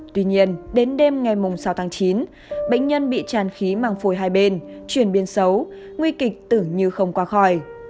tuy nhiên đến đêm ngày sáu tháng chín bệnh nhân bị tràn khí mang phổi hai bên chuyển biến xấu nguy kịch tưởng như không qua khỏi